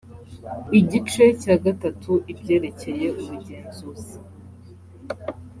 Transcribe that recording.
igice cya gatatu ibyerekeye ubugenzuzi